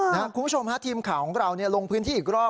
คุณผู้ชมฮะทีมข่าวของเราลงพื้นที่อีกรอบ